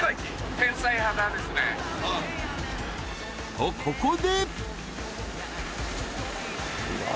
［とここで］